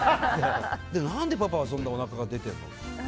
何で、パパはそんなにおなかが出てるの？